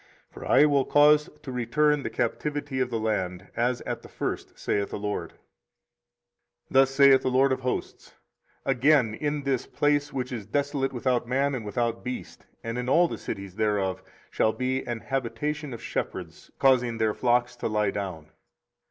For I will cause to return the captivity of the land, as at the first, saith the LORD. 24:033:012 Thus saith the LORD of hosts; Again in this place, which is desolate without man and without beast, and in all the cities thereof, shall be an habitation of shepherds causing their flocks to lie down.